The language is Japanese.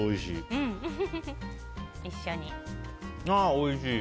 おいしい。